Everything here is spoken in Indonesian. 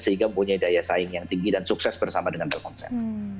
sehingga mempunyai daya saing yang tinggi dan sukses bersama dengan telkomsel